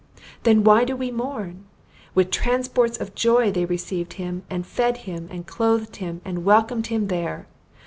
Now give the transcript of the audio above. Then why do we mourn? With transports of joy they received him, and fed him, and clothed him, and welcomed him there!